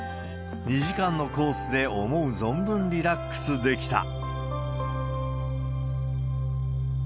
２時間のコースで思う存分リラックスできた。